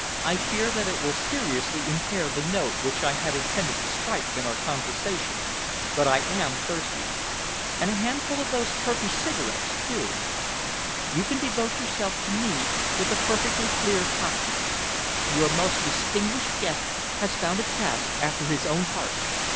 "I fear that it will seriously impair the note which I had intended to strike in our conversation, but I am thirsty. And a handful of those Turkish cigarettes, too. You can devote yourself to me with a perfectly clear conscience. Your most distinguished guest has found a task after his own heart.